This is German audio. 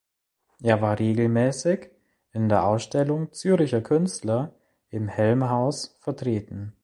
Er war regelmässig in der Ausstellung Zürcher Künstler im Helmhaus vertreten.